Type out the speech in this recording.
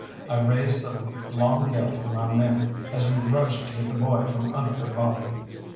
I raised the long yell for my men, as we rushed to get the boy from under her body.